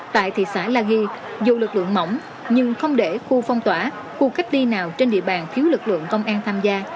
tại thị xã la ghi dù lực lượng mỏng nhưng không để khu phong tỏa khu cách ly nào trên địa bàn thiếu lực lượng công an tham gia